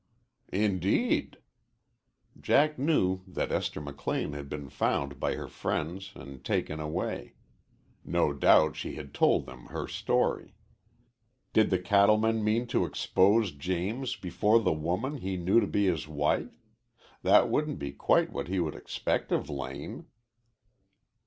"Indeed!" Jack knew that Esther McLean had been found by her friends and taken away. No doubt she had told them her story. Did the cattleman mean to expose James before the woman he knew to be his wife? That wouldn't be quite what he would expect of Lane.